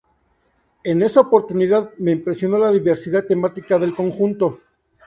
En esa oportunidad me impresionó la diversidad temática del conjunto.